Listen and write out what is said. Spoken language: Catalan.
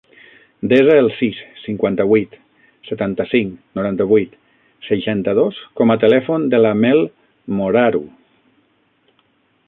Desa el sis, cinquanta-vuit, setanta-cinc, noranta-vuit, seixanta-dos com a telèfon de la Mel Moraru.